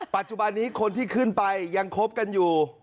ปัจจุบันนี้คนที่ขึ้นไปยังคบกันอยู่